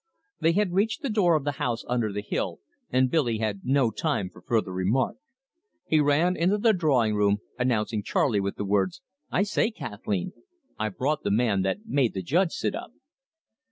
They had reached the door of the house under the hill, and Billy had no time for further remark. He ran into the drawing room, announcing Charley with the words: "I say, Kathleen, I've brought the man that made the judge sit up."